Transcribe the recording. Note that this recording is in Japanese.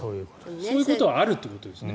そういうことはあるってことですね。